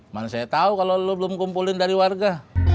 mana saya tahu kalau lo belum kumpulin dari warga